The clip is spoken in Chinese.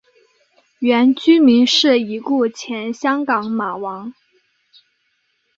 原居民是已故前香港马王。